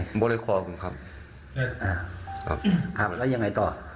ผมไม่ได้ขอผมครับครับครับครับแล้วยังไงต่อ